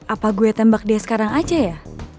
apa gue tembak dia sekarang aja ya